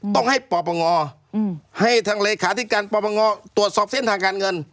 ต้องให้ปปงให้ทางเลขาธิการปปงตรวจสอบเส้นทางการเงิน